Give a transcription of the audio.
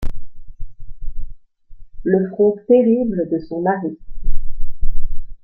le front terrible de son mari.